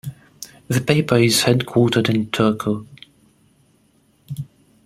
The paper is headquartered in Turku.